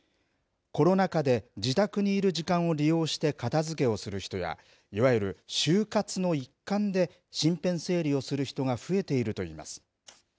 コロナ禍で自宅にいる時間を利用して片づけをする人やいわゆる終活の一環で身辺整理をする人が増えていると言います。